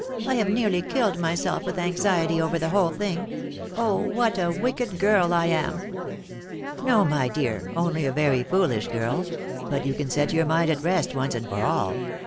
"I have nearly killed myself with anxiety over the whole thing. Oh, what a wicked girl I am!" "No, my dear; only a very foolish girl. But you can set your mind at rest once and for all.